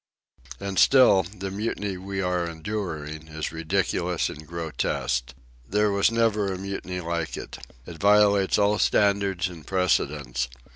And still the mutiny we are enduring is ridiculous and grotesque. There was never a mutiny like it. It violates all standards and precedents.